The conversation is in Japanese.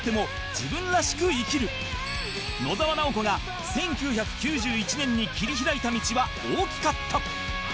野沢直子が１９９１年に切り開いた道は大きかった